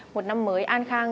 một năm mới an khang